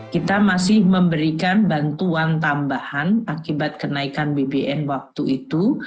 kita masih memberikan bantuan tambahan akibat kenaikan bbm waktu itu